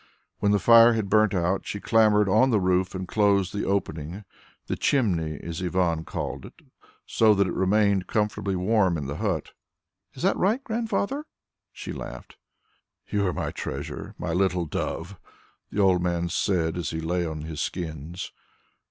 When the fire had burnt out, she clambered on the roof and closed the opening the "chimney," as Ivan called it so that it remained comfortably warm in the hut. "Is that right, Grandfather?" she laughed. "You are my treasure, my little dove," the old man said as he lay on his skins.